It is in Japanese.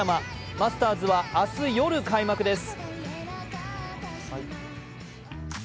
マスターズは明日夜、開幕です。